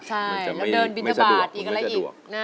ใช่แล้วเดินบินทบาทอีกอะไรอีก